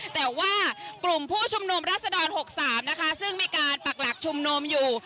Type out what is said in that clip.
แต่ว่ากลุ่มผู้ชุมนุมรัศดร๖๓นะคะซึ่งมีการปักหลักชุมนุมอยู่